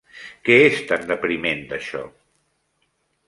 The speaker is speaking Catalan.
Què és tan depriment d'això?